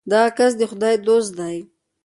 دغه کس د خدای دوست دی.